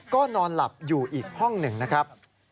ก็นอนหลับอยู่อีกห้องหนึ่งนะครับ